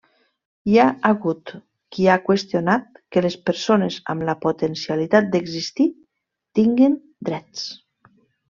Hi ha hagut qui ha qüestionat que les persones amb la potencialitat d'existir tinguin drets.